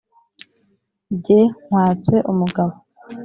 jye nkwatse umugabo.